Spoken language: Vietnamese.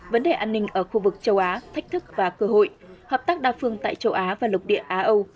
vấn đề an ninh ở khu vực châu á thách thức và cơ hội hợp tác đa phương tại châu á và lục địa á âu